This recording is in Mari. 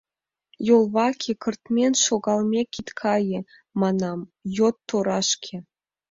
Йолваке кыртмен шогалмек Ит кае, манам, йот торашке.